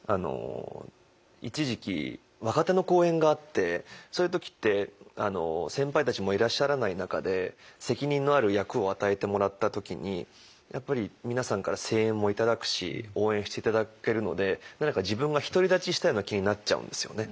一時期若手の公演があってそういう時って先輩たちもいらっしゃらない中で責任のある役を与えてもらった時にやっぱり皆さんから声援も頂くし応援して頂けるので何か自分が独り立ちしたような気になっちゃうんですよね。